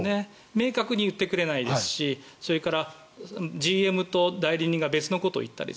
明確に言ってくれないですしそれから、ＧＭと代理人が別のことを言ったり。